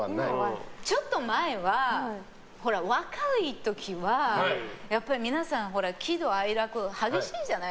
ちょっと前は若い時は、やっぱり皆さん喜怒哀楽、激しいじゃない。